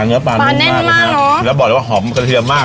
เนื้อปลานุ่มมากนะฮะแล้วบอกเลยว่าหอมกระเทียมมาก